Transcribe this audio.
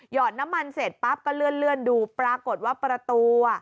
อดน้ำมันเสร็จปั๊บก็เลื่อนดูปรากฏว่าประตู